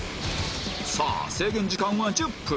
さあ制限時間は１０分